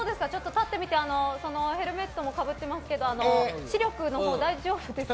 立ってみてヘルメットもかぶってますけど視力のほう大丈夫ですか？